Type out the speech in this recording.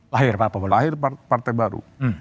lahir kenapa lahir partai baru